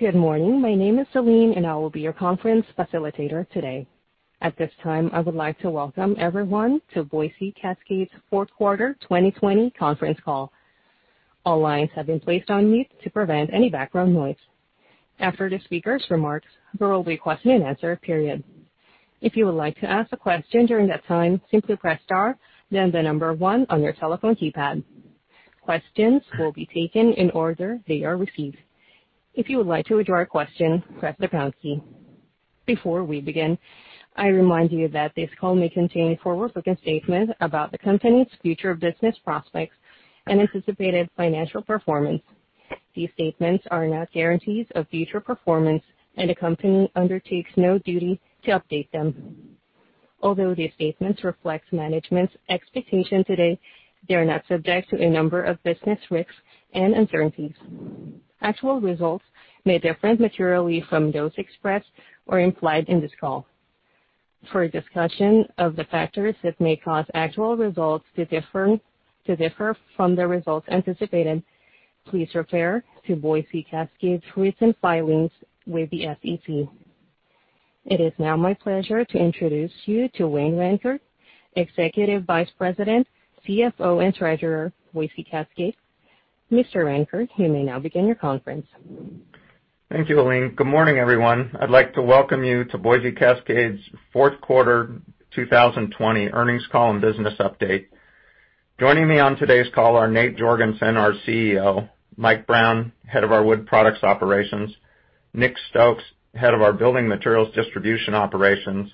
Good morning. My name is Celine, and I will be your conference facilitator today. At this time, I would like to welcome everyone to Boise Cascade Company's fourth quarter 2020 conference call. All lines have been placed on mute to prevent any background noise. After the speakers' remarks, there will be a question and answer period. If you would like to ask a question during that time, simply press star, then the number one on your telephone keypad. Questions will be taken in order they are received. If you would like to withdraw a question, press the pound key. Before we begin, I remind you that this call may contain forward-looking statements about the company's future business prospects and anticipated financial performance. These statements are not guarantees of future performance, and the company undertakes no duty to update them. Although these statements reflect management's expectations today, they are not subject to a number of business risks and uncertainties. Actual results may differ materially from those expressed or implied in this call. For a discussion of the factors that may cause actual results to differ from the results anticipated, please refer to Boise Cascade's recent filings with the SEC. It is now my pleasure to introduce you to Wayne Rancourt, Executive Vice President, CFO, and Treasurer, Boise Cascade. Mr. Rancourt, you may now begin your conference. Thank you, Celine. Good morning, everyone. I'd like to welcome you to Boise Cascade's 4th quarter 2020 earnings call and business update. Joining me on today's call are Nate Jorgensen, our CEO. Mike Brown, Head of our Wood Products operations. Nick Stokes, Head of our Building Materials Distribution operations,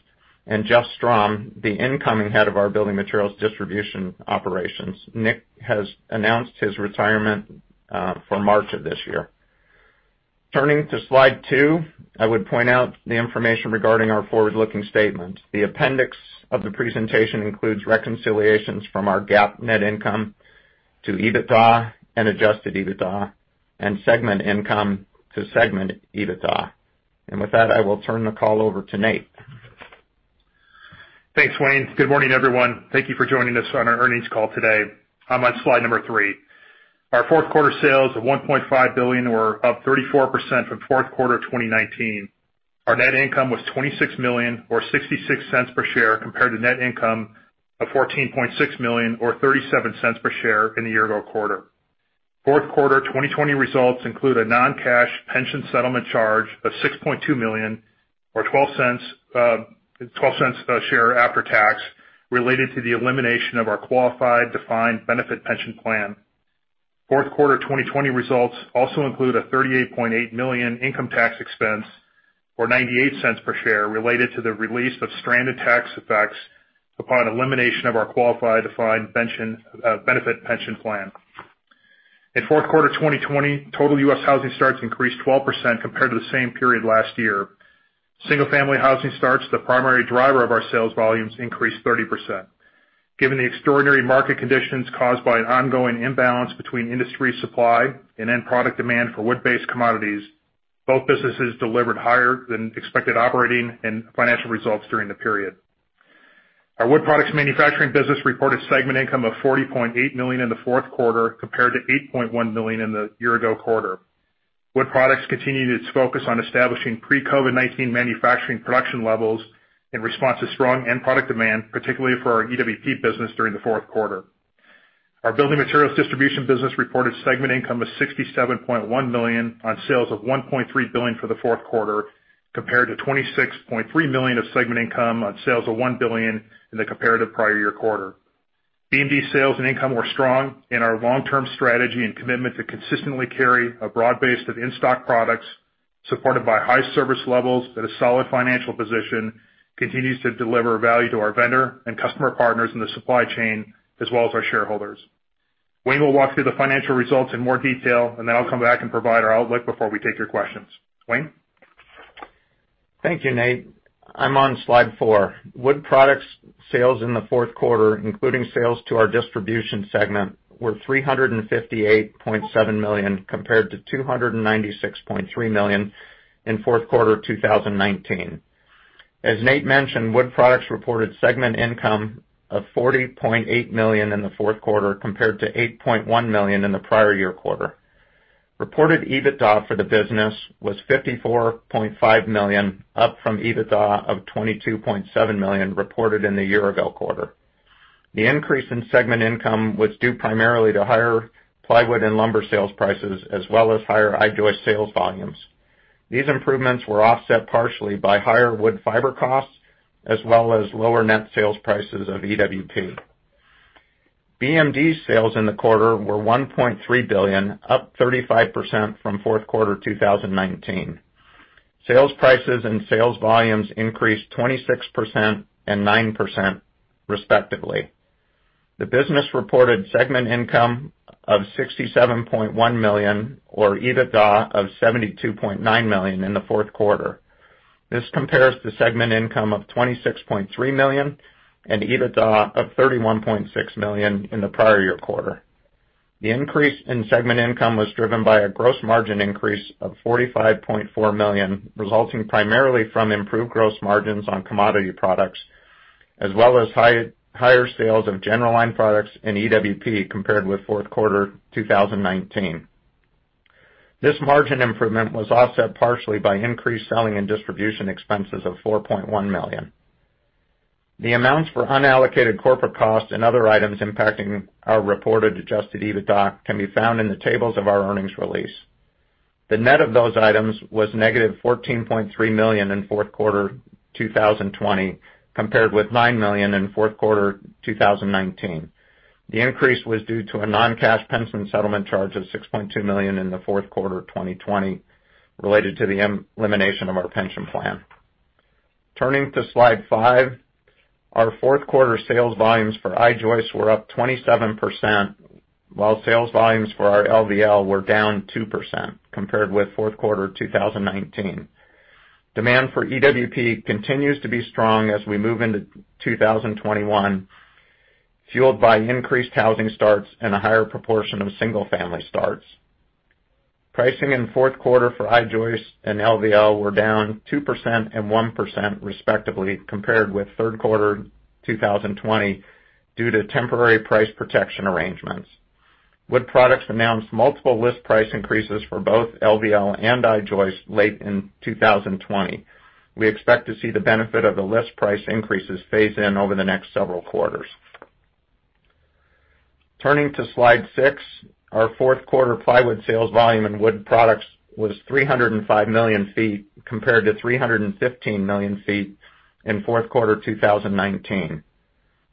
and Jeff Strom, the incoming Head of our Building Materials Distribution operations. Nick has announced his retirement for March of this year. Turning to slide two, I would point out the information regarding our forward-looking statement. The appendix of the presentation includes reconciliations from our GAAP net income to EBITDA and adjusted EBITDA and segment income to segment EBITDA. With that, I will turn the call over to Nate. Thanks, Wayne. Good morning, everyone. Thank you for joining us on our earnings call today. I'm on slide number three. Our fourth quarter sales of $1.5 billion were up 34% from fourth quarter 2019. Our net income was $26 million or $0.66 per share, compared to net income of $14.6 million or $0.37 per share in the year-ago quarter. Fourth quarter 2020 results include a non-cash pension settlement charge of $6.2 million or $0.12 a share after tax related to the elimination of our qualified defined benefit pension plan. Fourth quarter 2020 results also include a $38.8 million income tax expense, or $0.98 per share, related to the release of stranded tax effects upon elimination of our qualified defined benefit pension plan. In fourth quarter 2020, total U.S. housing starts increased 12% compared to the same period last year. Single-family housing starts, the primary driver of our sales volumes, increased 30%. Given the extraordinary market conditions caused by an ongoing imbalance between industry supply and end product demand for wood-based commodities, both businesses delivered higher than expected operating and financial results during the period. Our Wood Products manufacturing business reported segment income of $40.8 million in the fourth quarter, compared to $8.1 million in the year-ago quarter. Wood Products continued its focus on establishing pre-COVID-19 manufacturing production levels in response to strong end product demand, particularly for our EWP business during the fourth quarter. Our Building Materials Distribution business reported segment income of $67.1 million on sales of $1.3 billion for the fourth quarter, compared to $26.3 million of segment income on sales of $1 billion in the comparative prior year quarter. BMD sales and income were strong, and our long-term strategy and commitment to consistently carry a broad base of in-stock products, supported by high service levels and a solid financial position, continues to deliver value to our vendor and customer partners in the supply chain, as well as our shareholders. Wayne will walk through the financial results in more detail, and then I'll come back and provide our outlook before we take your questions. Wayne? Thank you, Nate. I'm on slide four. Wood Products sales in the fourth quarter, including sales to our distribution segment, were $358.7 million, compared to $296.3 million in fourth quarter 2019. As Nate mentioned, Wood Products reported segment income of $40.8 million in the fourth quarter, compared to $8.1 million in the prior year quarter. Reported EBITDA for the business was $54.5 million, up from EBITDA of $22.7 million reported in the year-ago quarter. The increase in segment income was due primarily to higher plywood and lumber sales prices, as well as higher I-joist sales volumes. These improvements were offset partially by higher wood fiber costs as well as lower net sales prices of EWP. BMD sales in the quarter were $1.3 billion, up 35% from fourth quarter 2019. Sales prices and sales volumes increased 26% and 9% respectively. The business-reported segment income of $67.1 million or EBITDA of $72.9 million in the fourth quarter. This compares to segment income of $26.3 million and EBITDA of $31.6 million in the prior year quarter. The increase in segment income was driven by a gross margin increase of $45.4 million, resulting primarily from improved gross margins on commodity products as well as higher sales of general line products and EWP compared with fourth quarter 2019. This margin improvement was offset partially by increased selling and distribution expenses of $4.1 million. The amounts for unallocated corporate costs and other items impacting our reported adjusted EBITDA can be found in the tables of our earnings release. The net of those items was -$14.3 million in fourth quarter 2020 compared with $9 million in fourth quarter 2019. The increase was due to a non-cash pension settlement charge of $6.2 million in the fourth quarter 2020 related to the elimination of our pension plan. Turning to slide five, our fourth quarter sales volumes for I-joist were up 27%, while sales volumes for our LVL were down 2% compared with fourth quarter 2019. Demand for EWP continues to be strong as we move into 2021, fueled by increased housing starts and a higher proportion of single-family starts. Pricing in the fourth quarter for I-joist and LVL were down 2% and 1% respectively, compared with third quarter 2020, due to temporary price protection arrangements. Wood Products announced multiple list price increases for both LVL and I-joist late in 2020. We expect to see the benefit of the list price increases phase in over the next several quarters. Turning to slide six, our fourth quarter plywood sales volume in Wood Products was 305 million feet, compared to 315 million feet in fourth quarter 2019.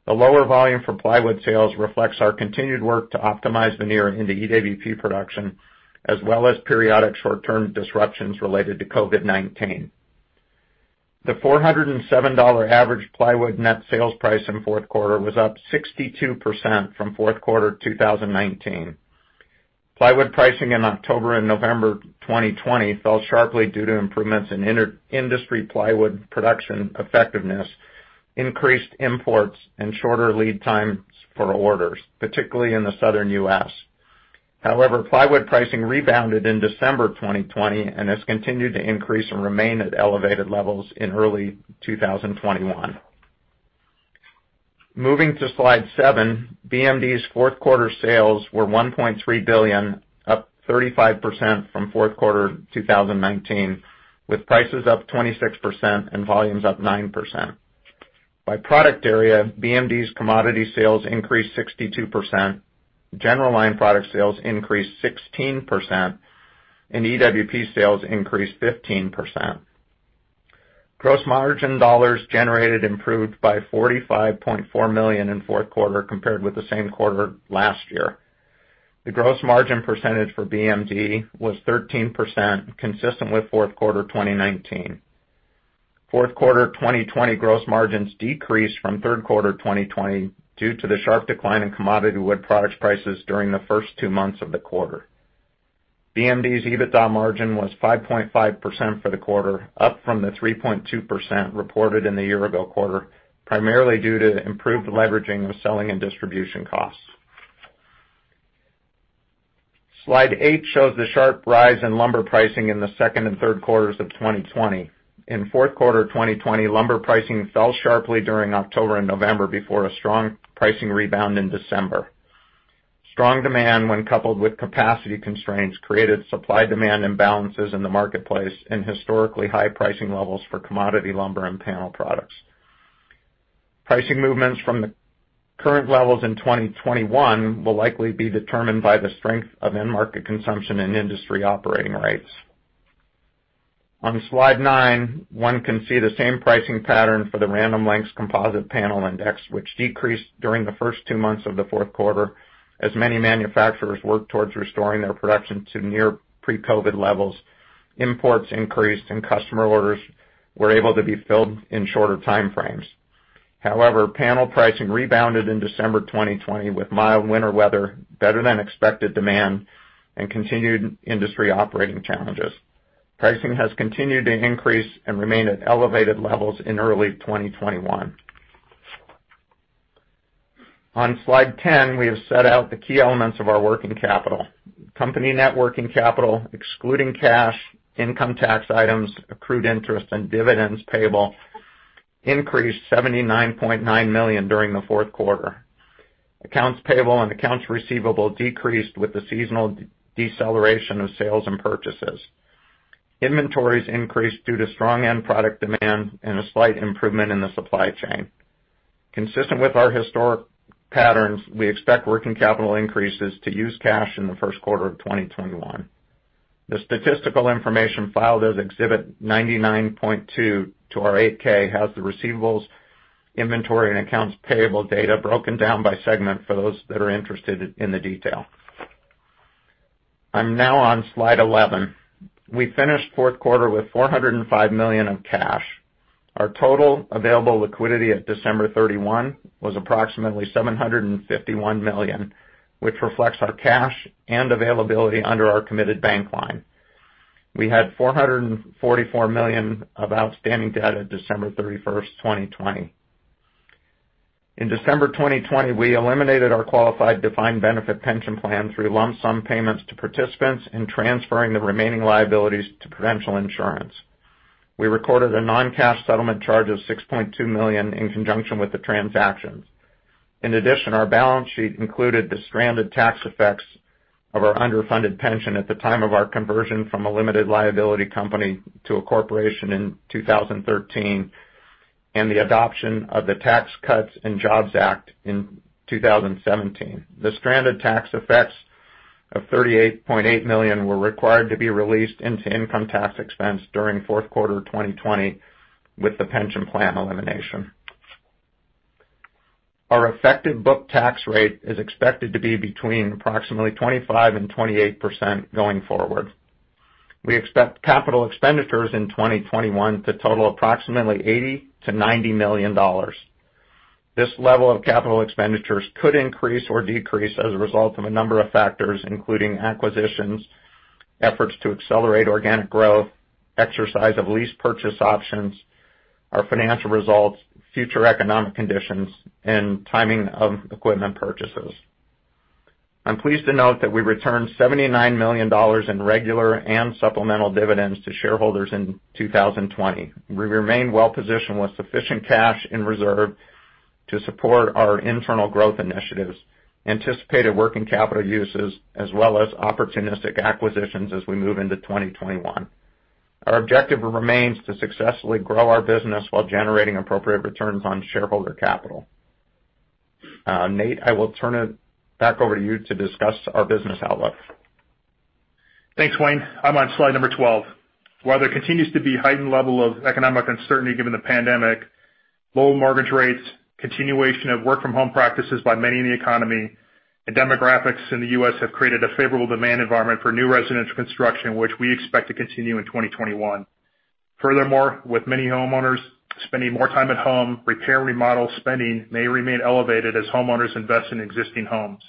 The lower volume for plywood sales reflects our continued work to optimize veneer into EWP production, as well as periodic short-term disruptions related to COVID-19. The $407 average plywood net sales price in fourth quarter was up 62% from fourth quarter 2019. Plywood pricing in October and November 2020 fell sharply due to improvements in industry plywood production effectiveness, increased imports, and shorter lead times for orders, particularly in the Southern U.S. However, plywood pricing rebounded in December 2020 and has continued to increase and remain at elevated levels in early 2021. Moving to slide seven, BMD's fourth-quarter sales were $1.3 billion, up 35% from fourth quarter 2019, with prices up 26% and volumes up 9%. By product area, BMD's commodity sales increased 62%, general line product sales increased 16%, and EWP sales increased 15%. Gross margin dollars generated improved by $45.4 million in fourth quarter compared with the same quarter last year. The gross margin percentage for BMD was 13%, consistent with fourth quarter 2019. Fourth quarter 2020 gross margins decreased from third quarter 2020 due to the sharp decline in commodity wood products prices during the first two months of the quarter. BMD's EBITDA margin was 5.5% for the quarter, up from the 3.2% reported in the year-ago quarter, primarily due to improved leveraging of selling and distribution costs. Slide eight shows the sharp rise in lumber pricing in the second and third quarters of 2020. In fourth quarter 2020, lumber pricing fell sharply during October and November before a strong pricing rebound in December. Strong demand, when coupled with capacity constraints, created supply-demand imbalances in the marketplace and historically high pricing levels for commodity lumber and panel products. Pricing movements from the current levels in 2021 will likely be determined by the strength of end market consumption and industry operating rates. On slide nine, one can see the same pricing pattern for the Random Lengths Composite Panel Index, which decreased during the first two months of the fourth quarter. As many manufacturers worked towards restoring their production to near pre-COVID levels, imports increased, and customer orders were able to be filled in shorter timeframes. However, panel pricing rebounded in December 2020 with mild winter weather, better than expected demand, and continued industry operating challenges. Pricing has continued to increase and remain at elevated levels in early 2021. On slide 10, we have set out the key elements of our working capital. Company net working capital, excluding cash, income tax items, accrued interest, and dividends payable, increased $79.9 million during the fourth quarter. Accounts payable and accounts receivable decreased with the seasonal deceleration of sales and purchases. Inventories increased due to strong end-product demand and a slight improvement in the supply chain. Consistent with our historic patterns, we expect working capital increases to use cash in the first quarter of 2021. The statistical information filed as Exhibit 99.2 to our 8-K has the receivables, inventory, and accounts payable data broken down by segment for those that are interested in the detail. I'm now on slide 11. We finished the fourth quarter with $405 million of cash. Our total available liquidity at December 31 was approximately $751 million, which reflects our cash and availability under our committed bank line. We had $444 million of outstanding debt at December 31, 2020. In December 2020, we eliminated our qualified defined benefit pension plan through lump sum payments to participants and transferring the remaining liabilities to Prudential Insurance. We recorded a non-cash settlement charge of $6.2 million in conjunction with the transactions. In addition, our balance sheet included the stranded tax effects of our underfunded pension at the time of our conversion from a limited liability company to a corporation in 2013, and the adoption of the Tax Cuts and Jobs Act in 2017. The stranded tax effects of $38.8 million were required to be released into income tax expense during fourth quarter 2020 with the pension plan elimination. Our effective book tax rate is expected to be between approximately 25% and 28% going forward. We expect capital expenditures in 2021 to total approximately $80 million-$90 million. This level of capital expenditures could increase or decrease as a result of a number of factors, including acquisitions, efforts to accelerate organic growth, exercise of lease purchase options, our financial results, future economic conditions, and timing of equipment purchases. I'm pleased to note that we returned $79 million in regular and supplemental dividends to shareholders in 2020. We remain well-positioned with sufficient cash in reserve to support our internal growth initiatives, anticipated working capital uses, as well as opportunistic acquisitions as we move into 2021. Our objective remains to successfully grow our business while generating appropriate returns on shareholder capital. Nate, I will turn it back over to you to discuss our business outlook. Thanks, Wayne. I'm on slide number 12. While there continues to be heightened level of economic uncertainty given the pandemic, low mortgage rates, continuation of work-from-home practices by many in the U.S. economy, and demographics in the U.S. have created a favorable demand environment for new residential construction, which we expect to continue in 2021. With many homeowners spending more time at home, repair/remodel spending may remain elevated as homeowners invest in existing homes.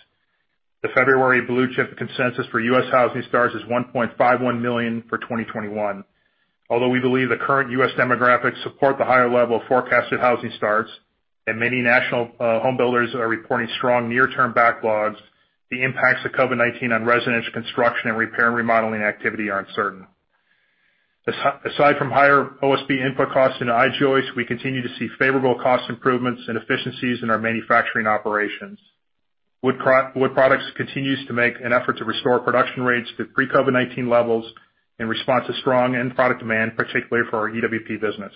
The February Blue Chip consensus for U.S. housing starts is 1.51 million for 2021. We believe the current U.S. demographics support the higher level of forecasted housing starts and many national home builders are reporting strong near-term backlogs, the impacts of COVID-19 on residential construction and repair and remodeling activity are uncertain. Aside from higher OSB input costs in I-joist, we continue to see favorable cost improvements and efficiencies in our manufacturing operations. Wood Products continues to make an effort to restore production rates to pre-COVID-19 levels in response to strong end-product demand, particularly for our EWP business.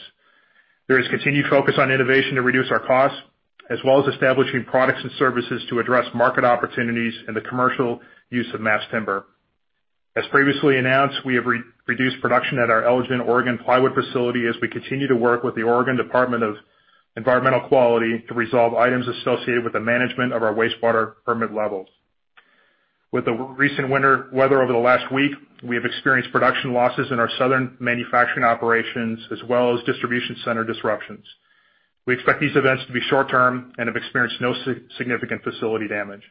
There is continued focus on innovation to reduce our costs, as well as establishing products and services to address market opportunities in the commercial use of mass timber. As previously announced, we have reduced production at our Elgin, Oregon plywood facility as we continue to work with the Oregon Department of Environmental Quality to resolve items associated with the management of our wastewater permit levels. With the recent winter weather over the last week, we have experienced production losses in our southern manufacturing operations as well as distribution center disruptions. We expect these events to be short-term and have experienced no significant facility damage.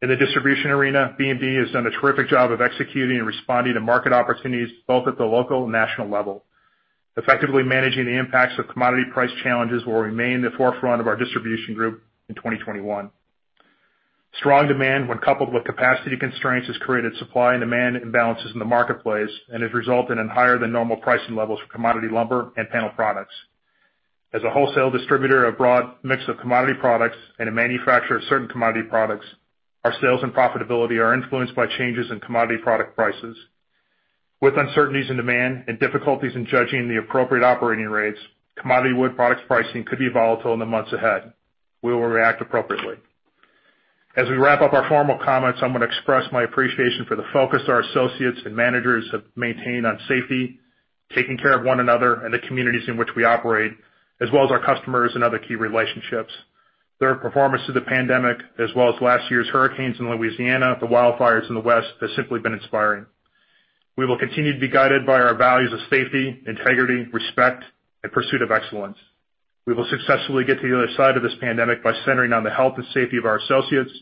In the distribution arena, BMD has done a terrific job of executing and responding to market opportunities both at the local and national level. Effectively managing the impacts of commodity price challenges will remain the forefront of our distribution group in 2021. Strong demand, when coupled with capacity constraints, has created supply and demand imbalances in the marketplace and has resulted in higher than normal pricing levels for commodity lumber and panel products. As a wholesale distributor of broad mix of commodity products and a manufacturer of certain commodity products, our sales and profitability are influenced by changes in commodity product prices. With uncertainties in demand and difficulties in judging the appropriate operating rates, commodity wood products pricing could be volatile in the months ahead. We will react appropriately. As we wrap up our formal comments, I'm going to express my appreciation for the focus our associates and managers have maintained on safety, taking care of one another and the communities in which we operate, as well as our customers and other key relationships. Their performance through the pandemic as well as last year's hurricanes in Louisiana, the wildfires in the West, has simply been inspiring. We will continue to be guided by our values of safety, integrity, respect, and pursuit of excellence. We will successfully get to the other side of this pandemic by centering on the health and safety of our associates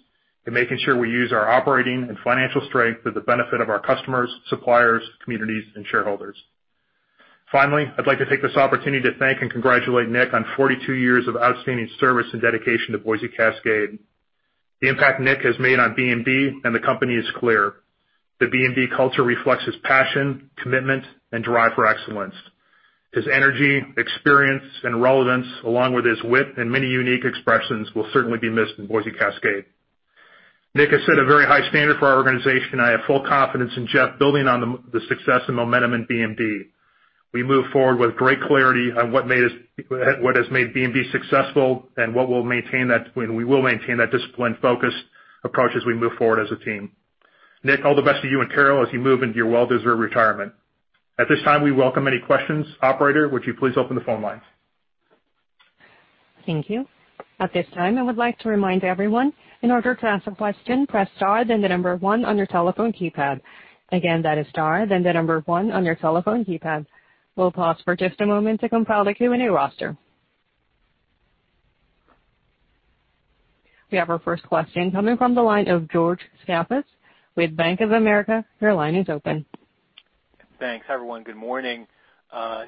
and making sure we use our operating and financial strength for the benefit of our customers, suppliers, communities, and shareholders. Finally, I'd like to take this opportunity to thank and congratulate Nick on 42 years of outstanding service and dedication to Boise Cascade. The impact Nick has made on BMD and the company is clear. The BMD culture reflects his passion, commitment, and drive for excellence. His energy, experience, and relevance, along with his wit and many unique expressions, will certainly be missed in Boise Cascade. Nick has set a very high standard for our organization. I have full confidence in Jeff building on the success and momentum in BMD. We move forward with great clarity on what has made BMD successful and we will maintain that disciplined, focused approach as we move forward as a team. Nick, all the best to you and Carol as you move into your well-deserved retirement. At this time, we welcome any questions. Operator, would you please open the phone lines? Thank you. At this time, I would like to remind everyone, in order to ask a question, press star then the number one on your telephone keypad. Again, that is star then the number one on your telephone keypad. We'll pause for just a moment to compile the Q&A roster. We have our first question coming from the line of George Staphos with Bank of America. Your line is open. Thanks, everyone. Good morning.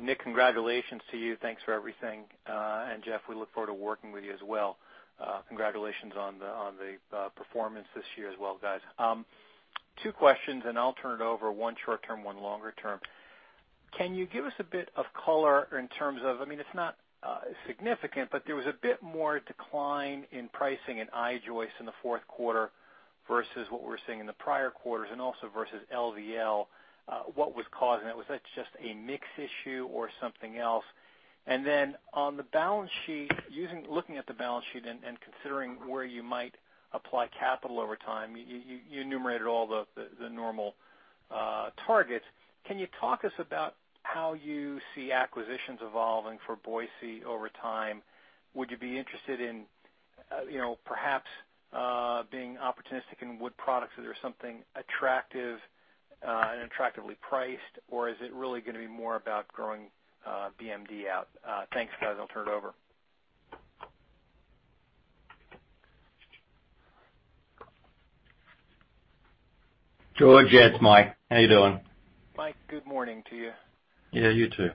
Nick, congratulations to you. Thanks for everything. Jeff, we look forward to working with you as well. Congratulations on the performance this year as well, guys. Two questions, and I'll turn it over. One short-term, one longer-term. Can you give us a bit of color in terms of, it's not significant, but there was a bit more decline in pricing in I-joist in the fourth quarter versus what we're seeing in the prior quarters and also versus LVL. What was causing it? Was that just a mix issue or something else? Then on the balance sheet, looking at the balance sheet and considering where you might apply capital over time, you enumerated all the normal targets. Can you talk us about how you see acquisitions evolving for Boise over time? Would you be interested in perhaps being opportunistic in wood products if there's something attractive and attractively priced, or is it really going to be more about growing BMD out? Thanks, guys. I'll turn it over. George, yeah, it's Mike. How are you doing? Mike, good morning to you. Yeah, you too.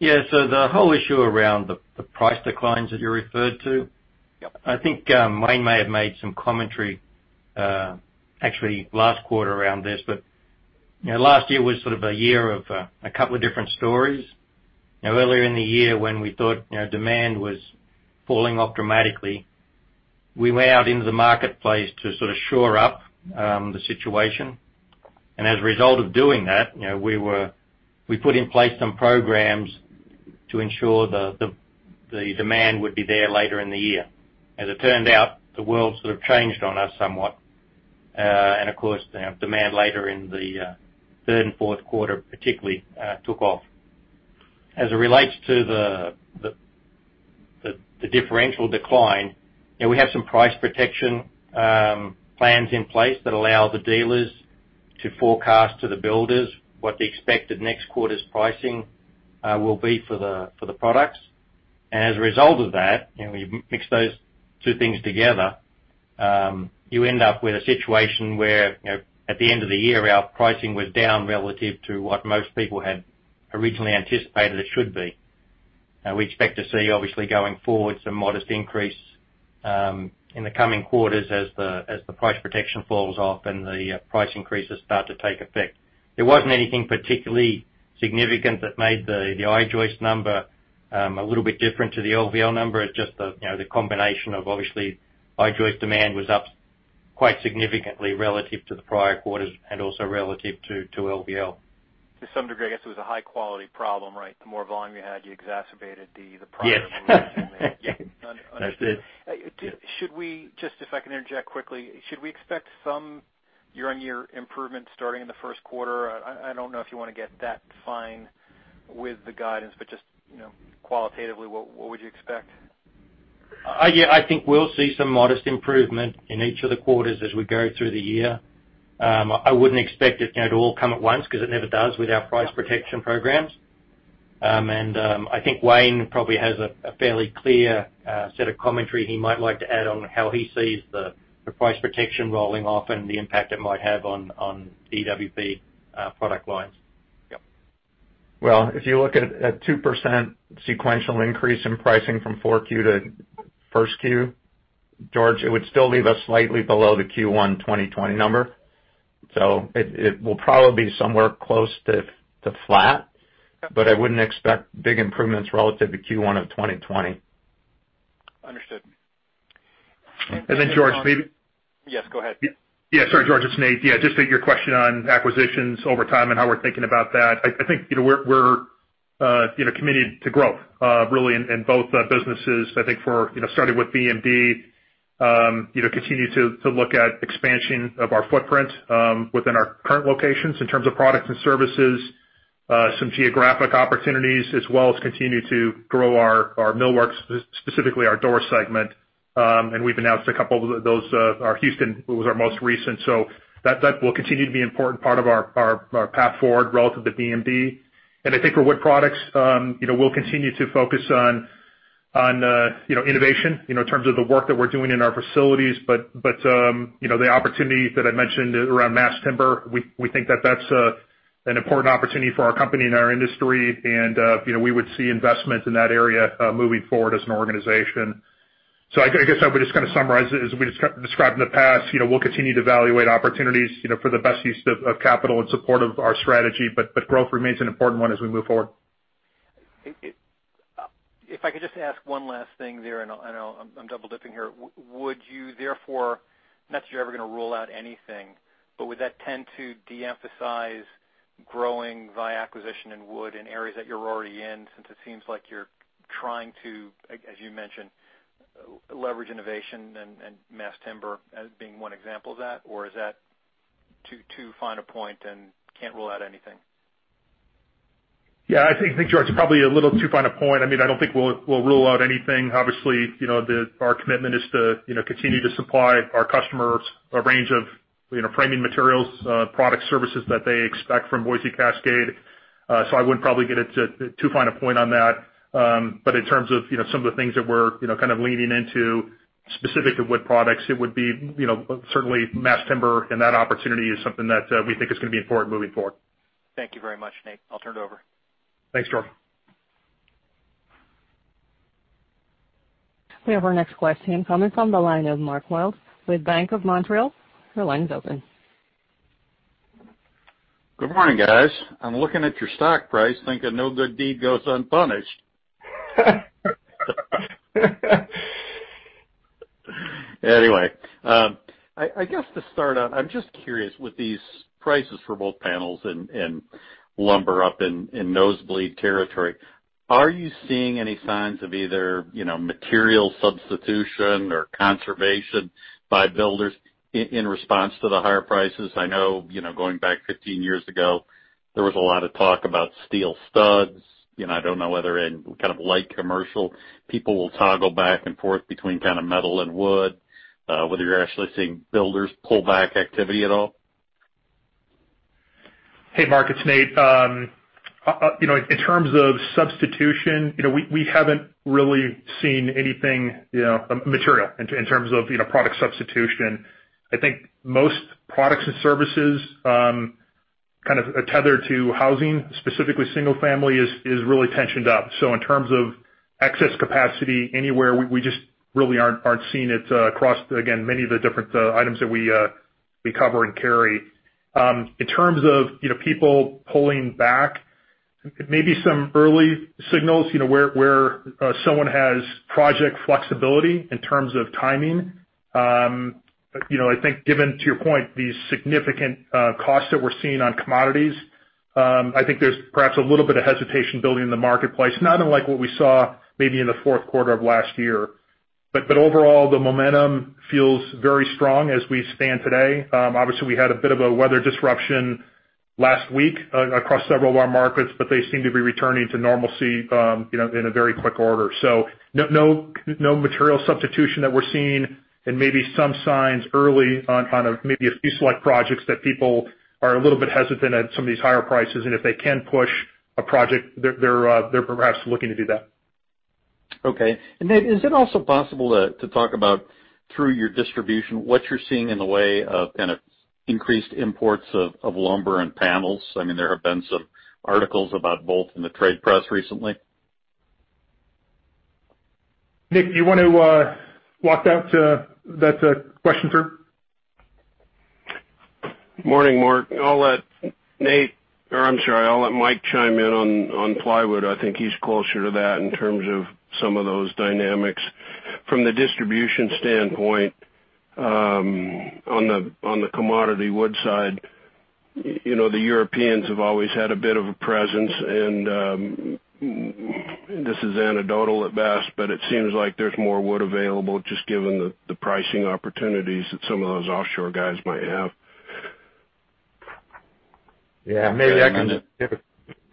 Yeah. The whole issue around the price declines that you referred to. Yep I think Wayne may have made some commentary, actually, last quarter around this. Last year was sort of a year of a couple of different stories. Earlier in the year when we thought demand was falling off dramatically, we went out into the marketplace to sort of shore up the situation. As a result of doing that, we put in place some programs to ensure the demand would be there later in the year. As it turned out, the world sort of changed on us somewhat. Of course, demand later in the third and fourth quarter, particularly, took off. As it relates to the differential decline, we have some price protection plans in place that allow the dealers to forecast to the builders what the expected next quarter's pricing will be for the products. As a result of that, we mix those two things together, you end up with a situation where at the end of the year, our pricing was down relative to what most people had originally anticipated it should be. We expect to see, obviously, going forward, some modest increase in the coming quarters as the price protection falls off and the price increases start to take effect. There wasn't anything particularly significant that made the I-joist number a little bit different to the LVL number. It's just the combination of obviously I-joist demand was up quite significantly relative to the prior quarters and also relative to LVL. To some degree, I guess it was a high-quality problem, right? The more volume you had, you exacerbated the problem. Yes. I'm assuming. Understood. Should we, just if I can interject quickly, should we expect some year-on-year improvement starting in the first quarter? I don't know if you want to get that fine with the guidance. Just qualitatively, what would you expect? I think we'll see some modest improvement in each of the quarters as we go through the year. I wouldn't expect it to all come at once because it never does with our price protection programs. I think Wayne probably has a fairly clear set of commentary he might like to add on how he sees the price protection rolling off and the impact it might have on EWP product lines. Yep. Well, if you look at a 2% sequential increase in pricing from 4Q to 1Q, George, it would still leave us slightly below the Q1 2020 number. It will probably be somewhere close to flat. Okay. I wouldn't expect big improvements relative to Q1 of 2020. Understood. George. Yes, go ahead. Sorry, George, it's Nate. Just to your question on acquisitions over time and how we're thinking about that, I think we're committed to growth, really in both businesses. I think for starting with BMD continue to look at expansion of our footprint within our current locations in terms of products and services, some geographic opportunities, as well as continue to grow our millwork, specifically our door segment. We've announced a couple of those, our Houston was our most recent. That will continue to be an important part of our path forward relative to BMD. I think for Wood Products, we'll continue to focus on innovation in terms of the work that we're doing in our facilities. The opportunity that I mentioned around mass timber, we think that that's an important opportunity for our company and our industry. We would see investment in that area moving forward as an organization. I guess I would just summarize it as we described in the past. We'll continue to evaluate opportunities for the best use of capital in support of our strategy, growth remains an important one as we move forward. If I could just ask one last thing there, and I know I'm double-dipping here. Would you therefore, not that you're ever going to rule out anything, but would that tend to de-emphasize growing via acquisition and Wood Products in areas that you're already in, since it seems like you're trying to, as you mentioned, leverage innovation and mass timber as being one example of that, or is that too fine a point and can't rule out anything? Yeah, I think, George, it's probably a little too fine a point. I don't think we'll rule out anything. Obviously, our commitment is to continue to supply our customers a range of framing materials, product services that they expect from Boise Cascade. I wouldn't probably get too fine a point on that. In terms of some of the things that we're kind of leaning into specific to Wood Products, it would be certainly mass timber and that opportunity is something that we think is going to be important moving forward. Thank you very much, Nate. I'll turn it over. Thanks, George. We have our next question coming from the line of Mark Wilde with BMO Capital Markets. Your line is open. Good morning, guys. I'm looking at your stock price thinking no good deed goes unpunished. I guess to start out, I'm just curious, with these prices for both panels and lumber up in nosebleed territory, are you seeing any signs of either material substitution or conservation by builders in response to the higher prices? I know, going back 15 years ago, there was a lot of talk about steel studs. I don't know whether in kind of light commercial, people will toggle back and forth between metal and wood, whether you're actually seeing builders pull back activity at all? Hey, Mark, it's Nate. In terms of substitution, we haven't really seen anything material in terms of product substitution. I think most products and services kind of are tethered to housing, specifically single-family, is really tensioned up. In terms of excess capacity anywhere, we just really aren't seeing it across, again, many of the different items that we cover and carry. In terms of people pulling back, maybe some early signals where someone has project flexibility in terms of timing. I think given, to your point, these significant costs that we're seeing on commodities, I think there's perhaps a little bit of hesitation building in the marketplace, not unlike what we saw maybe in the fourth quarter of last year. Overall, the momentum feels very strong as we stand today. Obviously, we had a bit of a weather disruption last week across several of our markets, but they seem to be returning to normalcy in a very quick order. No material substitution that we're seeing and maybe some signs early on kind of maybe a few select projects that people are a little bit hesitant at some of these higher prices, and if they can push a project, they're perhaps looking to do that. Okay. Nate, is it also possible to talk about through your distribution, what you're seeing in the way of kind of increased imports of lumber and panels? There have been some articles about both in the trade press recently? Nick, you want to walk that question through? Morning, Mark. I'll let Mike chime in on plywood. I think he's closer to that in terms of some of those dynamics. From the distribution standpoint on the commodity wood side, the Europeans have always had a bit of a presence, and this is anecdotal at best, but it seems like there's more wood available just given the pricing opportunities that some of those offshore guys might have. Yeah. Maybe I can. Go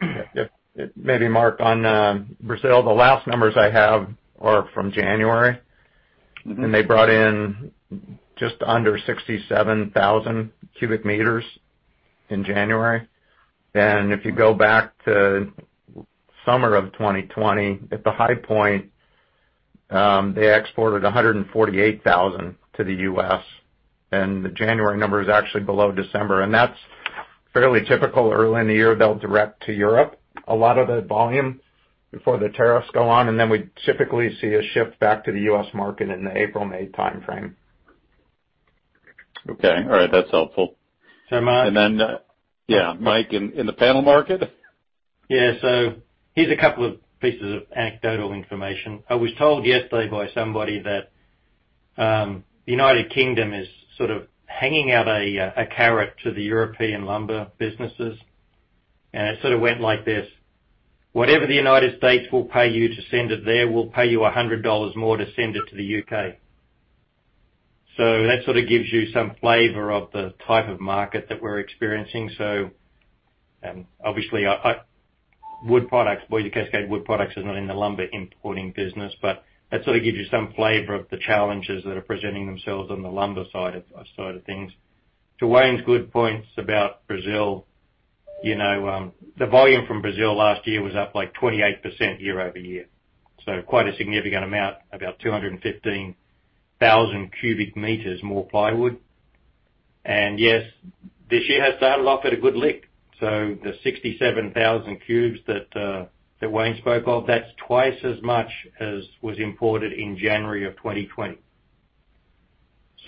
ahead. Maybe Mark, on Brazil, the last numbers I have are from January. They brought in just under 67,000 cubic meters in January. If you go back to summer of 2020, at the high point they exported 148,000 to the U.S., and the January number is actually below December. That's fairly typical early in the year. They'll direct to Europe a lot of the volume before the tariffs go on, and then we typically see a shift back to the U.S. market in the April-May timeframe. Okay. All right. That's helpful. Mark. Yeah, Mike, in the panel market? Yeah. Here's a couple of pieces of anecdotal information. I was told yesterday by somebody that the United Kingdom is sort of hanging out a carrot to the European lumber businesses, and it sort of went like this. Whatever the United States will pay you to send it there, we'll pay you $100 more to send it to the U.K. That sort of gives you some flavor of the type of market that we're experiencing. Obviously, Wood Products, Boise Cascade Wood Products is not in the lumber importing business, but that sort of gives you some flavor of the challenges that are presenting themselves on the lumber side of things. To Wayne's good points about Brazil, the volume from Brazil last year was up like 28% year-over-year. Quite a significant amount, about 215,000 cubic meters more plywood. Yes, this year has started off at a good lick. The 67,000 cubes that Wayne spoke of, that's twice as much as was imported in January of 2020.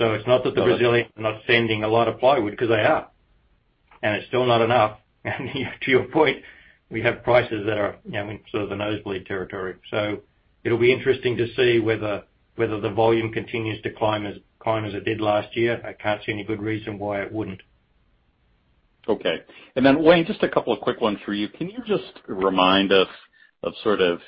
It's not that the Brazilians are not sending a lot of plywood, because they are, and it's still not enough. To your point, we have prices that are in sort of the nosebleed territory. It'll be interesting to see whether the volume continues to climb as it did last year. I can't see any good reason why it wouldn't. Okay. Wayne, just a couple of quick ones for you. Can you just remind us of sort of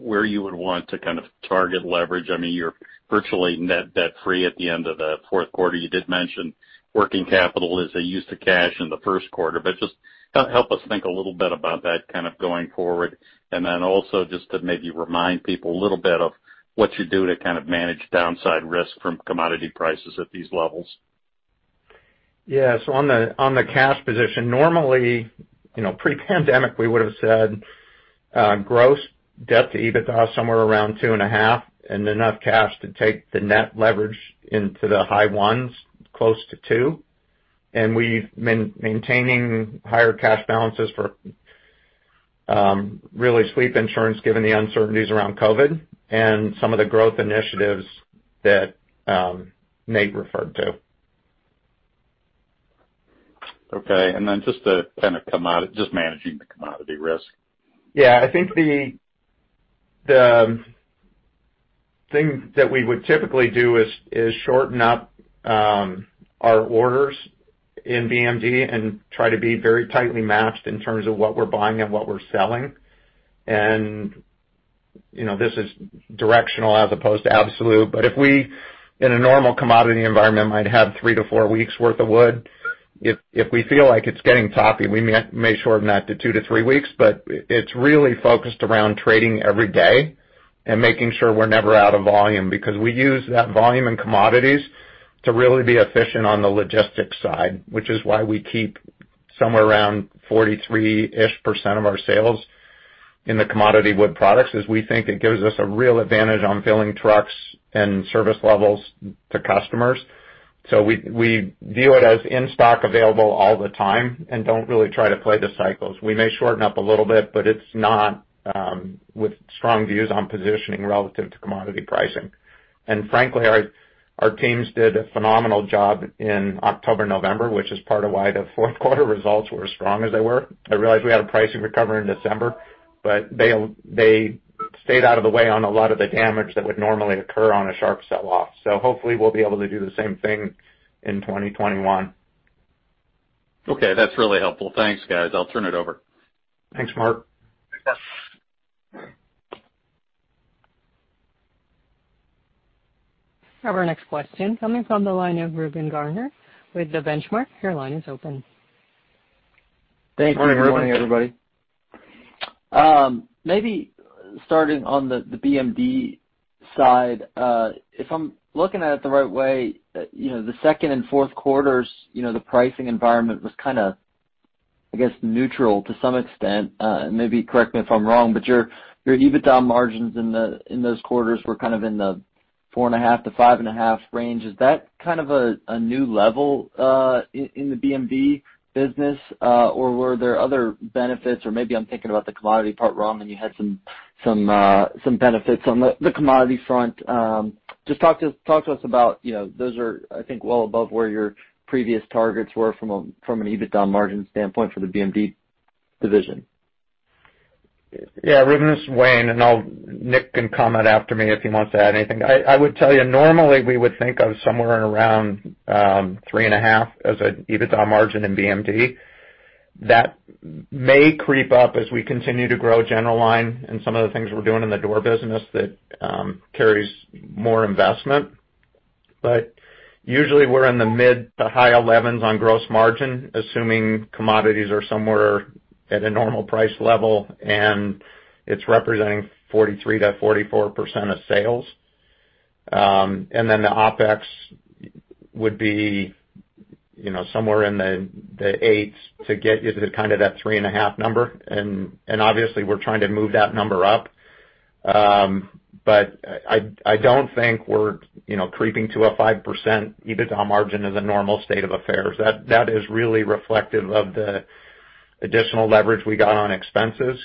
where you would want to kind of target leverage? You're virtually net debt-free at the end of the fourth quarter. You did mention working capital is a use of cash in the first quarter, but just help us think a little bit about that kind of going forward. Also just to maybe remind people a little bit of what you do to kind of manage downside risk from commodity prices at these levels? Yes. On the cash position, normally, pre-pandemic, we would've said gross debt to EBITDA somewhere around 2.5, and enough cash to take the net leverage into the high ones, close to two. And we've been maintaining higher cash balances for really sleep insurance, given the uncertainties around COVID and some of the growth initiatives that Nate referred to. Okay. Just managing the commodity risk? Yeah, I think the thing that we would typically do is shorten up our orders in BMD and try to be very tightly matched in terms of what we're buying and what we're selling. This is directional as opposed to absolute, but if we, in a normal commodity environment, might have three to four weeks worth of wood. If we feel like it's getting toppy, we may shorten that to two to three weeks, but it's really focused around trading every day and making sure we're never out of volume because we use that volume in commodities to really be efficient on the logistics side, which is why we keep somewhere around 43-ish% of our sales in the commodity Wood Products, as we think it gives us a real advantage on filling trucks and service levels to customers. We view it as in stock available all the time and don't really try to play the cycles. We may shorten up a little bit, but it's not with strong views on positioning relative to commodity pricing. Frankly, our teams did a phenomenal job in October, November, which is part of why the fourth quarter results were as strong as they were. I realize we had a pricing recovery in December, but they stayed out of the way on a lot of the damage that would normally occur on a sharp sell-off. Hopefully we'll be able to do the same thing in 2021. Okay. That's really helpful. Thanks, guys. I'll turn it over. Thanks, Mark. Thanks, guys. Have our next question coming from the line of Reuben Garner with The Benchmark. Your line is open. Good morning, Reuben. Good morning, everybody. Maybe starting on the BMD side. If I'm looking at it the right way, the second and fourth quarters, the pricing environment was kind of, I guess, neutral to some extent. Correct me if I'm wrong, your EBITDA margins in those quarters were kind of in the 4.5%-5.5% range. Is that kind of a new level in the BMD business? Were there other benefits? Maybe I'm thinking about the commodity part wrong, and you had some benefits on the commodity front. Just talk to us about, those are, I think, well above where your previous targets were from an EBITDA margin standpoint for the BMD division. Yeah, Reuben, this is Wayne, and Nick can comment after me if he wants to add anything. I would tell you, normally we would think of somewhere around three and a half as an EBITDA margin in BMD. That may creep up as we continue to grow general line and some of the things we're doing in the door business that carries more investment. Usually we're in the mid to high elevens on gross margin, assuming commodities are somewhere at a normal price level, and it's representing 43%-44% of sales. The OpEx would be somewhere in the eights to get you to kind of that 3.5 number. Obviously, we're trying to move that number up. I don't think we're creeping to a 5% EBITDA margin as a normal state of affairs. That is really reflective of the additional leverage we got on expenses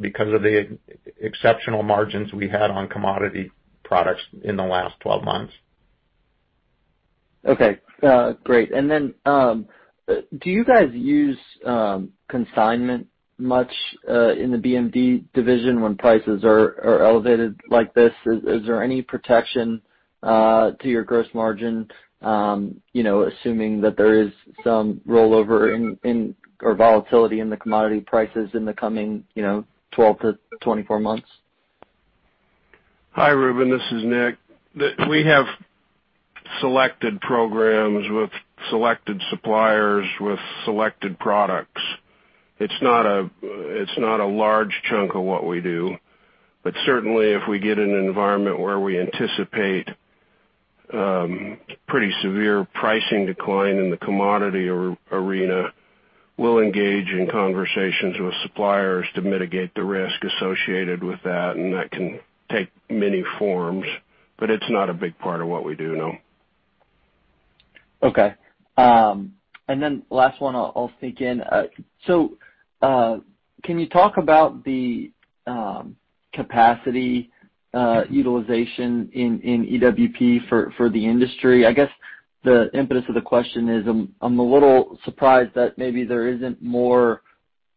because of the exceptional margins we had on commodity products in the last 12 months. Okay. Great. Do you guys use consignment much in the BMD division when prices are elevated like this? Is there any protection to your gross margin, assuming that there is some rollover or volatility in the commodity prices in the coming 12-24 months? Hi, Reuben. This is Nick. We have selected programs with selected suppliers, with selected products. It's not a large chunk of what we do. Certainly if we get in an environment where we anticipate pretty severe pricing decline in the commodity arena, we'll engage in conversations with suppliers to mitigate the risk associated with that, and that can take many forms. It's not a big part of what we do, no. Okay. Last one I'll sneak in. Can you talk about the capacity utilization in EWP for the industry? I guess the impetus of the question is I'm a little surprised that maybe there isn't more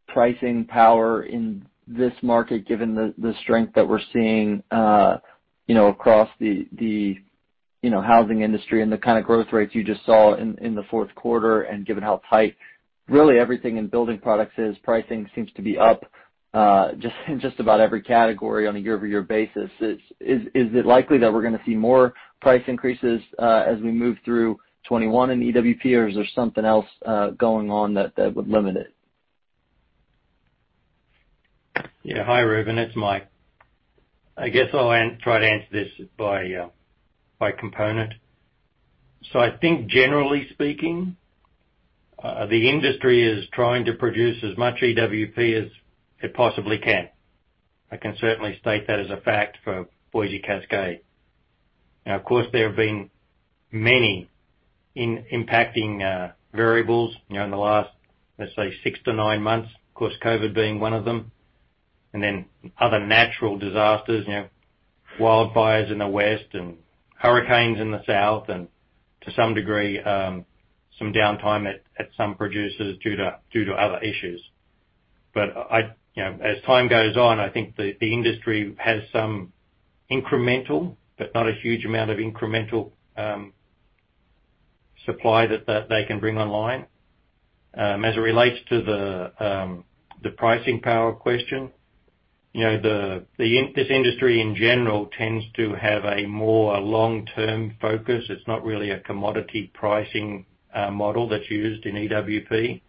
pricing power in this market given the strength that we're seeing across the housing industry and the kind of growth rates you just saw in the fourth quarter and given how tight really everything in building products is. Pricing seems to be up in just about every category on a year-over-year basis. Is it likely that we're going to see more price increases as we move through 2021 in EWP or is there something else going on that would limit it? Yeah. Hi, Reuben. It's Mike. I guess I'll try to answer this by component. I think generally speaking, the industry is trying to produce as much EWP as it possibly can. I can certainly state that as a fact for Boise Cascade. Now, of course, there have been many impacting variables in the last, let's say, six to nine months. Of course, COVID being one of them, and then other natural disasters, wildfires in the West and hurricanes in the South, and to some degree, some downtime at some producers due to other issues. As time goes on, I think the industry has some incremental, but not a huge amount of incremental supply that they can bring online. As it relates to the pricing power question, this industry, in general, tends to have a more long-term focus. It's not really a commodity pricing model that's used in EWP.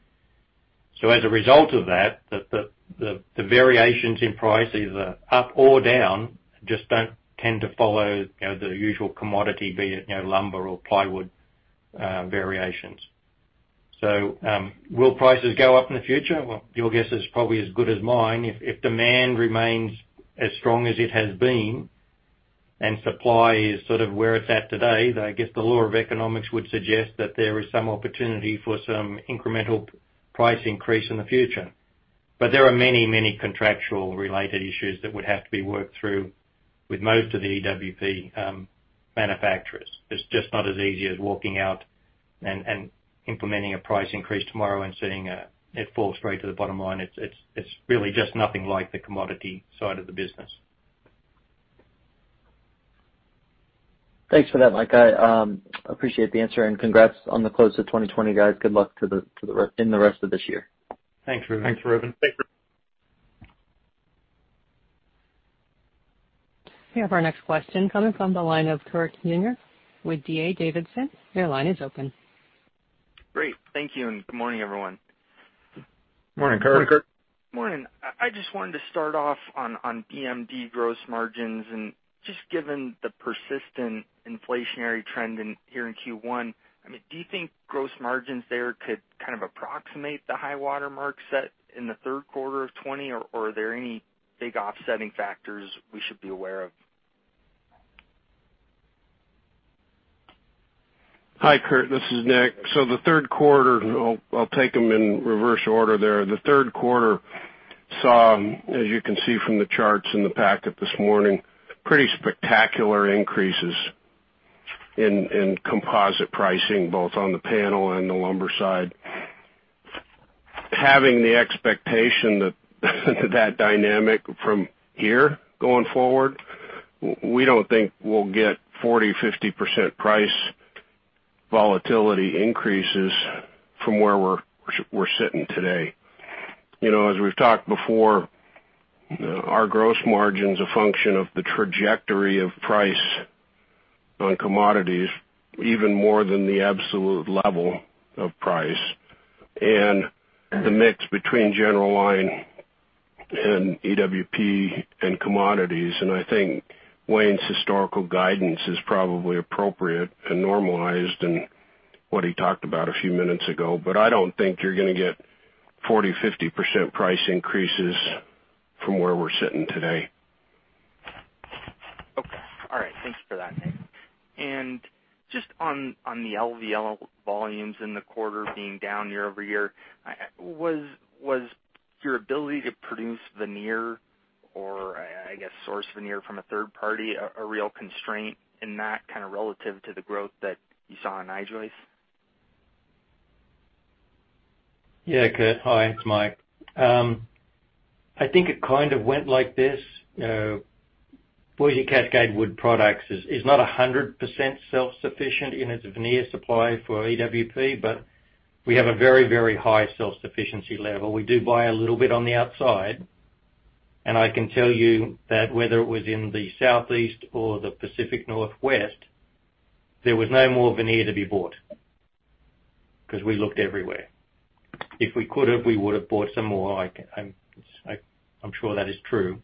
As a result of that, the variations in price, either up or down, just don't tend to follow the usual commodity, be it lumber or plywood variations. Will prices go up in the future? Well, your guess is probably as good as mine. If demand remains as strong as it has been and supply is sort of where it's at today, then I guess the law of economics would suggest that there is some opportunity for some incremental price increase in the future. There are many contractual related issues that would have to be worked through with most of the EWP manufacturers. It's just not as easy as walking out and implementing a price increase tomorrow and seeing it fall straight to the bottom line. It's really just nothing like the commodity side of the business. Thanks for that, Mike. I appreciate the answer, and congrats on the close of 2020, guys. Good luck in the rest of this year. Thanks, Reuben. Thanks, Reuben. Thank you. We have our next question coming from the line of Kurt Yinger with D.A. Davidson. Your line is open. Great. Thank you, and good morning, everyone. Morning, Kurt. Morning, Kurt. Morning. Just given the persistent inflationary trend here in Q1, do you think gross margins there could kind of approximate the high water mark set in the third quarter of 2020, or are there any big offsetting factors we should be aware of? Hi, Kurt. This is Nick. The third quarter, I'll take them in reverse order there. The third quarter saw, as you can see from the charts in the packet this morning, pretty spectacular increases in composite pricing, both on the panel and the lumber side. Having the expectation that that dynamic from here going forward, we don't think we'll get 40%-50% price volatility increases from where we're sitting today. As we've talked before, our gross margin's a function of the trajectory of price on commodities, even more than the absolute level of price, and the mix between general line and EWP and commodities. I think Wayne's historical guidance is probably appropriate and normalized in what he talked about a few minutes ago. I don't think you're going to get 40%-50% price increases from where we're sitting today. Okay. All right. Thanks for that, Nick. Just on the LVL volumes in the quarter being down year-over-year, was your ability to produce veneer or, I guess, source veneer from a third party, a real constraint in that kind of relative to the growth that you saw in I-joist? Yeah, Kurt. Hi, it's Mike. I think it kind of went like this. Boise Cascade Wood Products is not 100% self-sufficient in its veneer supply for EWP, but we have a very high self-sufficiency level. We do buy a little bit on the outside, and I can tell you that whether it was in the Southeast or the Pacific Northwest, there was no more veneer to be bought because we looked everywhere. If we could've, we would've bought some more. I'm sure that is true.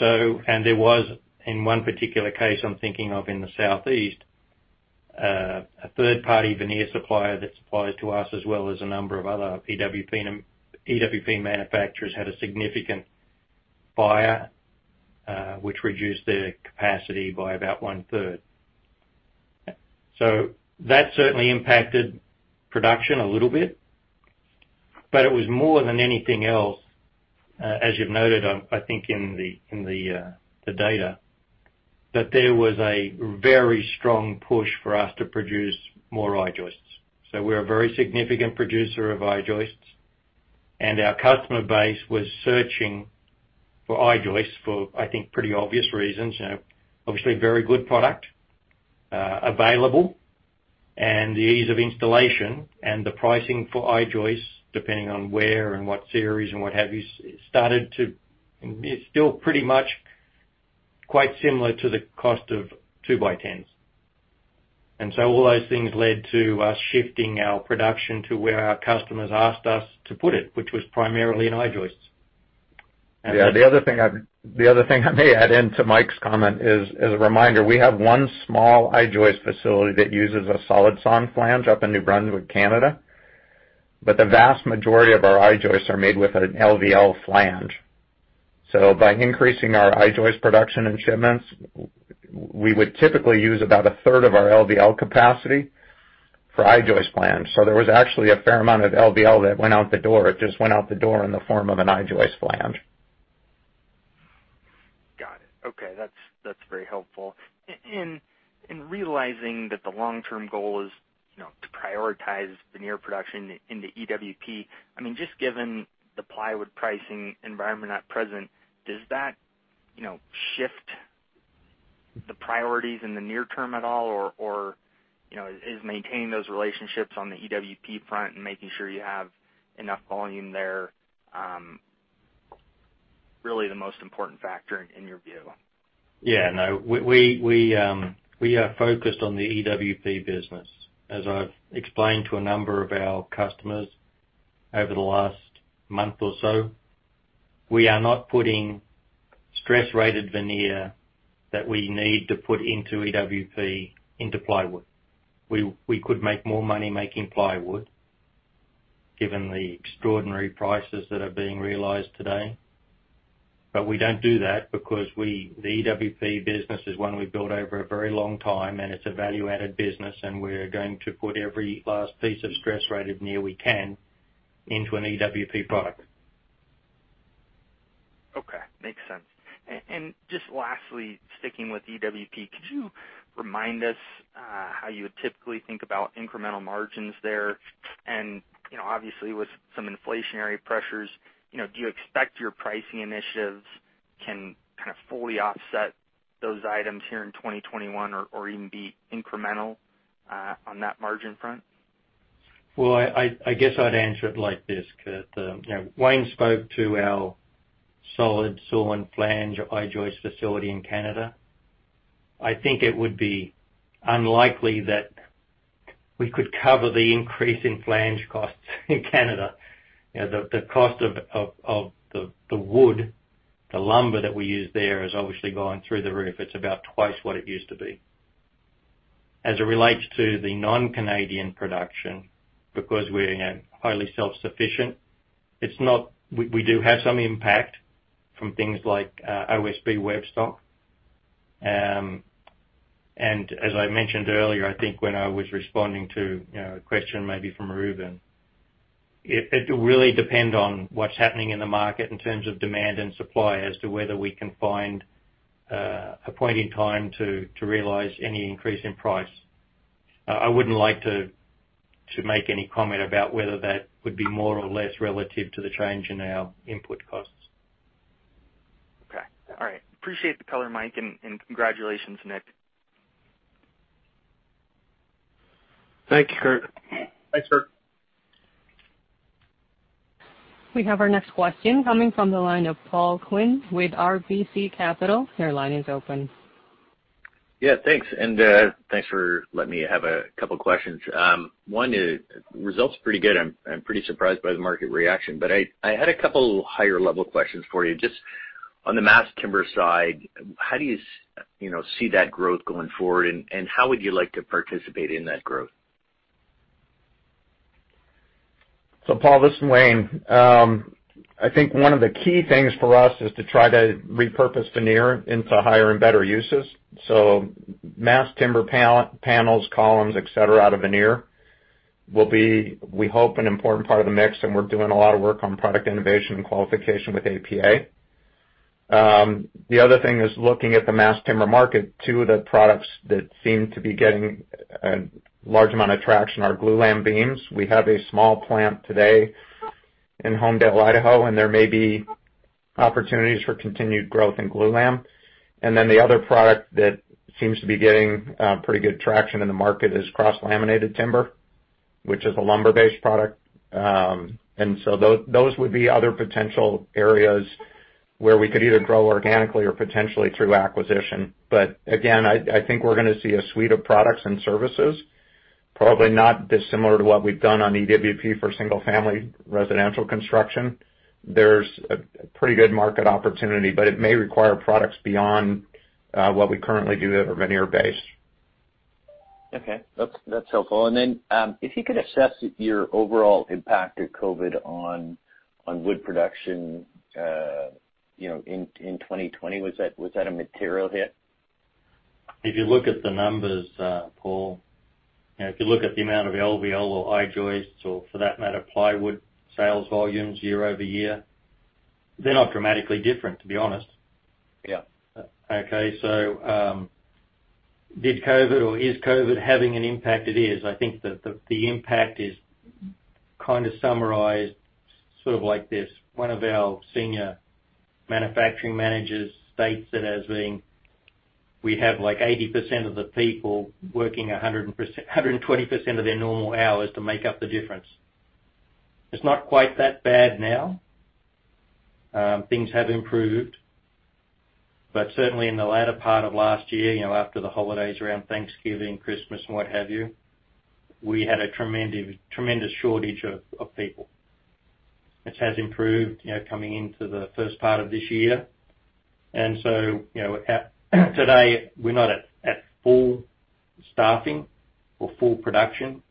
There was, in one particular case I'm thinking of in the Southeast, a third-party veneer supplier that supplies to us as well as a number of other EWP manufacturers, had a significant fire, which reduced their capacity by about one-third. That certainly impacted production a little bit. It was more than anything else, as you've noted, I think in the data, that there was a very strong push for us to produce more I-joists. We're a very significant producer of I-joists, and our customer base was searching for I-joists for, I think, pretty obvious reasons. Obviously, very good product available and the ease of installation and the pricing for I-joists, depending on where and what series and what have you, it's still pretty much quite similar to the cost of 2x10s. All those things led to us shifting our production to where our customers asked us to put it, which was primarily in I-joists. Yeah. The other thing I may add in to Mike's comment is, as a reminder, we have one small I-joist facility that uses a solid sawn flange up in New Brunswick, Canada. The vast majority of our I-joists are made with an LVL flange. By increasing our I-joist production and shipments, we would typically use about a third of our LVL capacity for I-joist flange. There was actually a fair amount of LVL that went out the door. It just went out the door in the form of an I-joist flange. Got it. Okay. That's very helpful. In realizing that the long-term goal is to prioritize veneer production into EWP, just given the plywood pricing environment at present, does that shift the priorities in the near term at all? Is maintaining those relationships on the EWP front and making sure you have enough volume there really the most important factor in your view? Yeah. No, we are focused on the EWP business. As I've explained to a number of our customers over the last month or so, we are not putting stress-rated veneer that we need to put into EWP into plywood. We could make more money making plywood, given the extraordinary prices that are being realized today. We don't do that because the EWP business is one we've built over a very long time, and it's a value-added business, and we're going to put every last piece of stress-rated veneer we can into an EWP product. Okay. Makes sense. Just lastly, sticking with EWP, could you remind us how you would typically think about incremental margins there? Obviously with some inflationary pressures, do you expect your pricing initiatives can kind of fully offset those items here in 2021 or even be incremental on that margin front? I guess I'd answer it like this, Kurt. Wayne spoke to our solid sawn flange I-joist facility in Canada. I think it would be unlikely that we could cover the increase in flange costs in Canada. The cost of the wood, the lumber that we use there, has obviously gone through the roof. It's about twice what it used to be. As it relates to the non-Canadian production, because we're highly self-sufficient, we do have some impact from things like OSB web stock. As I mentioned earlier, I think when I was responding to a question maybe from Reuben, it will really depend on what's happening in the market in terms of demand and supply as to whether we can find a point in time to realize any increase in price. I wouldn't like to make any comment about whether that would be more or less relative to the change in our input costs. Okay. All right. Appreciate the color, Mike, and congratulations, Nick. Thank you, Kurt. Thanks, Kurt. We have our next question coming from the line of Paul Quinn with RBC Capital. Your line is open. Yeah, thanks. Thanks for letting me have a couple questions. One is, results pretty good. I'm pretty surprised by the market reaction, but I had a couple higher-level questions for you. Just on the mass timber side, how do you see that growth going forward, and how would you like to participate in that growth? Paul, this is Wayne. I think one of the key things for us is to try to repurpose veneer into higher and better uses. Mass timber panels, columns, et cetera, out of veneer will be, we hope, an important part of the mix, and we're doing a lot of work on product innovation and qualification with APA. The other thing is looking at the mass timber market, two of the products that seem to be getting a large amount of traction are glulam beams. We have a small plant today in Homedale, Idaho, and there may be opportunities for continued growth in glulam. The other product that seems to be getting pretty good traction in the market is cross-laminated timber, which is a lumber-based product. Those would be other potential areas where we could either grow organically or potentially through acquisition. Again, I think we're going to see a suite of products and services, probably not dissimilar to what we've done on EWP for single-family residential construction. There's a pretty good market opportunity, but it may require products beyond what we currently do that are veneer-based. Okay. That's helpful. If you could assess your overall impact of COVID on wood production in 2020. Was that a material hit? If you look at the numbers, Paul, if you look at the amount of LVL or I-joists or for that matter, plywood sales volumes year-over-year, they're not dramatically different, to be honest. Yeah. Okay. Did COVID or is COVID having an impact? It is. I think that the impact is kind of summarized sort of like this. One of our senior manufacturing managers states it as being, we have like 80% of the people working 120% of their normal hours to make up the difference. It's not quite that bad now. Things have improved. Certainly in the latter part of last year, after the holidays, around Thanksgiving, Christmas, and what have you, we had a tremendous shortage of people, which has improved coming into the first part of this year. Today, we're not at full staffing or full production,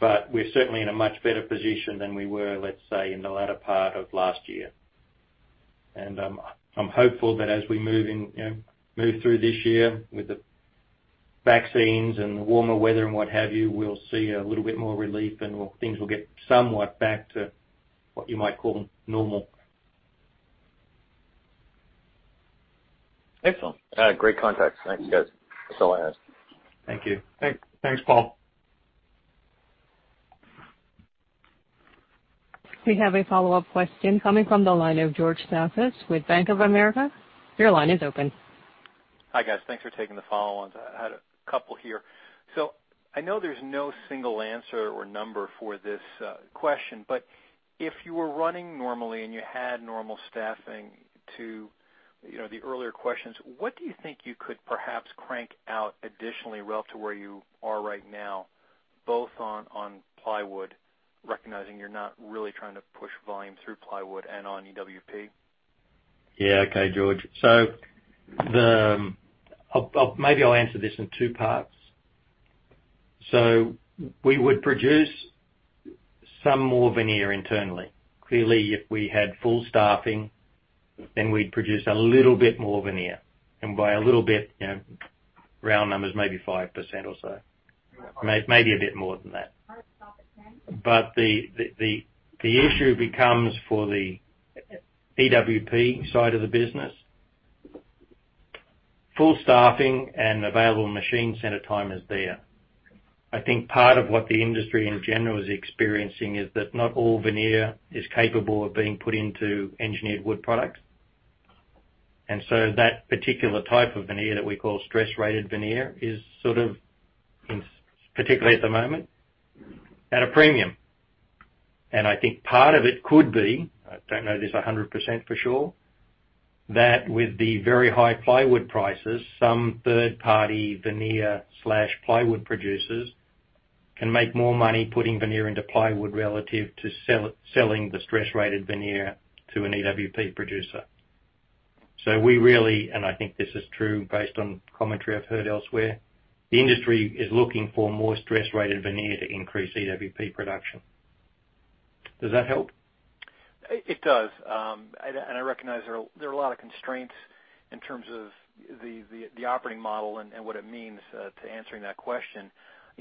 but we're certainly in a much better position than we were, let's say, in the latter part of last year. I'm hopeful that as we move through this year with the vaccines and the warmer weather and what have you, we'll see a little bit more relief and things will get somewhat back to what you might call normal. Excellent. Great context. Thanks, guys. That's all I ask. Thank you. Thanks, Paul. We have a follow-up question coming from the line of George Staphos with Bank of America. Your line is open. Hi, guys. Thanks for taking the follow-ons. I had a couple here. I know there's no single answer or number for this question, but if you were running normally and you had normal staffing to the earlier questions, what do you think you could perhaps crank out additionally relative to where you are right now, both on plywood, recognizing you're not really trying to push volume through plywood and on EWP? Yeah. Okay, George. Maybe I'll answer this in two parts. We would produce some more veneer internally. Clearly, if we had full staffing, we'd produce a little bit more veneer. By a little bit, round numbers, maybe 5% or so. Maybe a bit more than that. The issue becomes for the EWP side of the business, full staffing and available machine center time is there. I think part of what the industry in general is experiencing is that not all veneer is capable of being put into engineered wood products. That particular type of veneer that we call stress rated veneer is sort of, particularly at the moment, at a premium. I think part of it could be, I don't know this 100% for sure, that with the very high plywood prices, some third-party veneer/plywood producers can make more money putting veneer into plywood relative to selling the stress-rated veneer to an EWP producer. We really, and I think this is true based on commentary I've heard elsewhere, the industry is looking for more stress-rated veneer to increase EWP production. Does that help? It does. I recognize there are a lot of constraints in terms of the operating model and what it means to answering that question.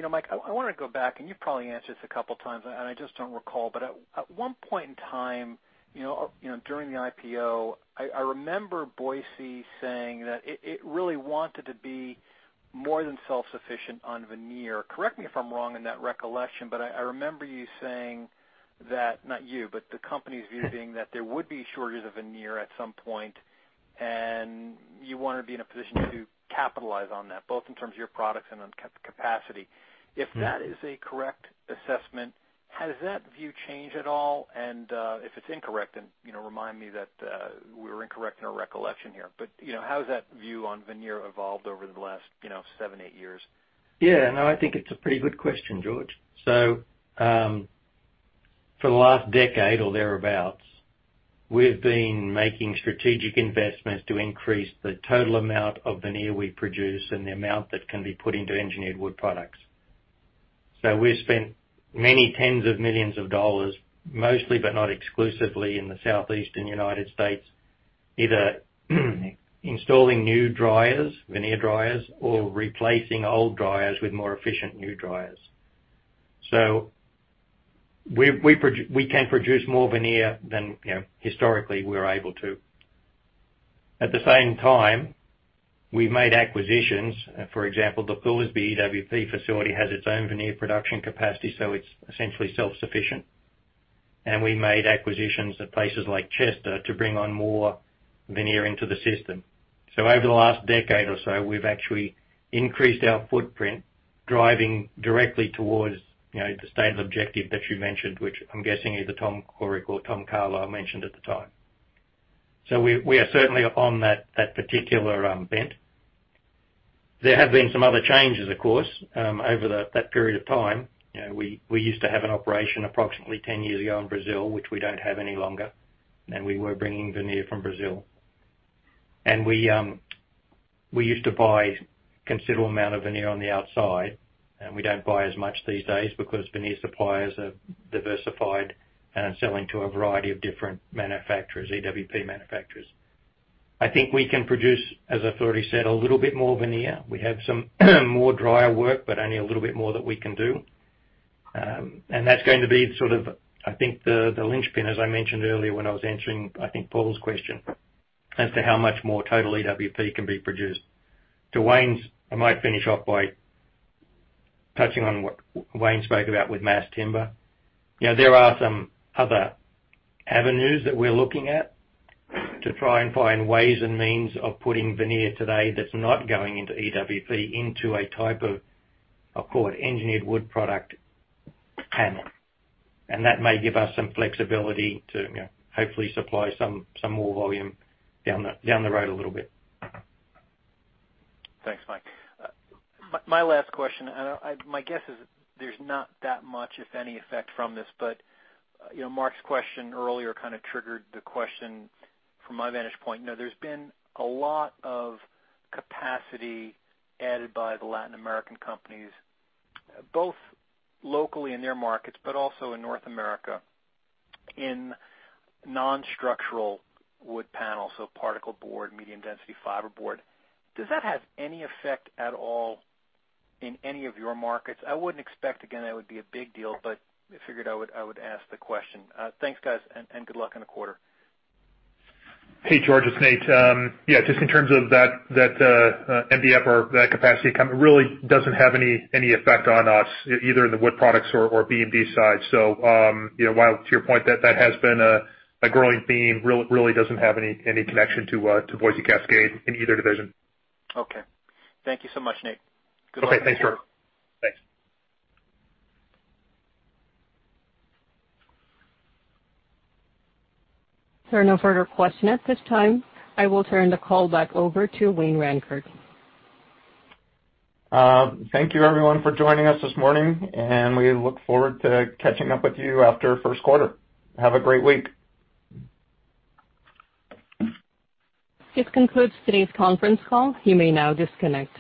Mike, I wanted to go back, and you've probably answered this a couple of times, and I just don't recall, but at one point in time, during the IPO, I remember Boise saying that it really wanted to be more than self-sufficient on veneer. Correct me if I'm wrong in that recollection, but I remember you saying that, not you, but the company's view being that there would be a shortage of veneer at some point, and you want to be in a position to capitalize on that, both in terms of your products and on capacity. If that is a correct assessment, has that view changed at all? If it's incorrect, then remind me that we're incorrect in our recollection here. How has that view on veneer evolved over the last seven, eight years? Yeah, no, I think it's a pretty good question, George. For the last decade or thereabouts, we've been making strategic investments to increase the total amount of veneer we produce and the amount that can be put into Engineered Wood Products. We've spent many tens of millions of dollars, mostly but not exclusively in the southeastern United States, either installing new dryers, veneer dryers, or replacing old dryers with more efficient new dryers. We can produce more veneer than historically we were able to. At the same time, we've made acquisitions. For example, the Thorsby EWP facility has its own veneer production capacity, so it's essentially self-sufficient. We made acquisitions at places like Chester to bring on more veneer into the system. Over the last decade or so, we've actually increased our footprint, driving directly towards the stated objective that you mentioned, which I'm guessing either Tom Corrick or Tom Carlile mentioned at the time. There have been some other changes, of course, over that period of time. We used to have an operation approximately 10 years ago in Brazil, which we don't have any longer, and we were bringing veneer from Brazil. We used to buy a considerable amount of veneer on the outside, and we don't buy as much these days because veneer suppliers have diversified and are selling to a variety of different manufacturers, EWP manufacturers. I think we can produce, as I've already said, a little bit more veneer. We have some more dryer work, but only a little bit more that we can do. That's going to be sort of, I think the linchpin, as I mentioned earlier when I was answering, I think, Paul's question as to how much more total EWP can be produced. I might finish off by touching on what Wayne spoke about with mass timber. There are some other avenues that we're looking at to try and find ways and means of putting veneer today that's not going into EWP into a type of, I'll call it engineered wood product panel. That may give us some flexibility to hopefully supply some more volume down the road a little bit. Thanks, Mike. My last question, my guess is there's not that much, if any effect from this, but Mark's question earlier kind of triggered the question from my vantage point. There's been a lot of capacity added by the Latin American companies, both locally in their markets, but also in North America in non-structural wood panels, so particle board, medium-density fiberboard. Does that have any effect at all in any of your markets? I wouldn't expect, again, that would be a big deal, but I figured I would ask the question. Thanks, guys, and good luck on the quarter. Hey, George, it's Nate. Yeah, just in terms of that MDF or that capacity, it really doesn't have any effect on us, either in the Wood Products or BMD side. While to your point that has been a growing theme, really doesn't have any connection to Boise Cascade in either division. Okay. Thank you so much, Nate. Good luck on the year. Okay, thanks, George. Thanks. There are no further questions at this time. I will turn the call back over to Wayne Rancourt. Thank you, everyone, for joining us this morning. We look forward to catching up with you after first quarter. Have a great week. This concludes today's conference call. You may now disconnect.